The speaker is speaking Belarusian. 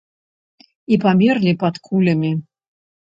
І памерлі пад кулямі.